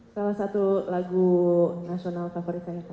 salah satu lagu nasional favorit saya